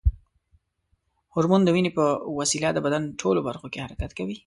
هورمون د وینې په وسیله د بدن ټولو برخو کې حرکت کوي.